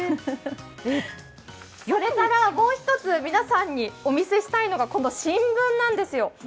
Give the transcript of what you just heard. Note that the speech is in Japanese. もう１つ、皆さんにお見せしたいのがこの新聞なんですよ。